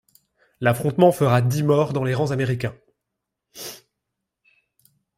L'affrontement fera dix morts dans les rangs américains.